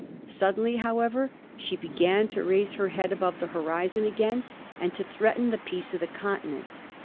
Suddenly, however, she began to raise her head above the horizon again, and to threaten the peace of the Continent.